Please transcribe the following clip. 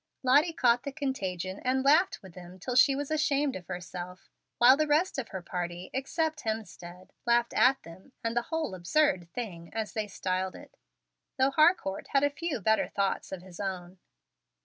Lottie caught the contagion, and laughed with them till she was ashamed of herself, while the rest of her party, except Hemstead, laughed at them and the "whole absurd thing," as they styled it, though Harcourt had a few better thoughts of his own.